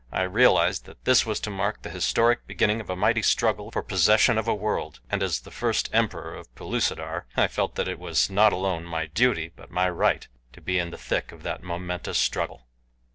I realized that this was to mark the historic beginning of a mighty struggle for possession of a world, and as the first emperor of Pellucidar I felt that it was not alone my duty, but my right, to be in the thick of that momentous struggle.